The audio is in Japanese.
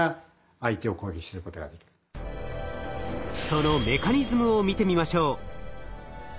そのメカニズムを見てみましょう。